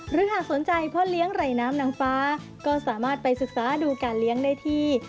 หากสนใจพ่อเลี้ยงไหลน้ำนางฟ้าก็สามารถไปศึกษาดูการเลี้ยงได้ที่